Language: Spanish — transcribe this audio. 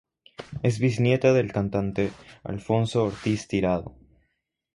Es bisnieta del cantante Alfonso Ortiz Tirado.